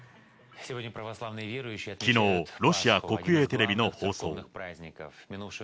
ロシア国営テレビの放送。